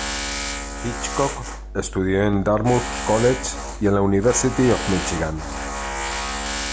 Hitchcock estudió en Dartmouth College y en la University of Michigan.